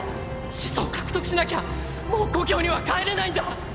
「始祖」を獲得しなきゃもう故郷には帰れないんだ！！